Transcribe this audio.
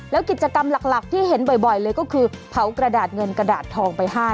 แล้วกิจกรรมหลักที่เห็นบ่อยเลยก็คือเผากระดาษเงินกระดาษทองไปให้